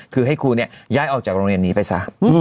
คือให้ครูย้ายออกจากโรงเรียนนี้ไปซะ